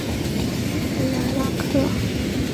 莱拉克。